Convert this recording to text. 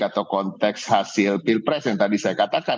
atau konteks hasil pilpres yang tadi saya katakan